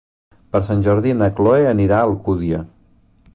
Per Sant Jordi na Chloé anirà a Alcúdia.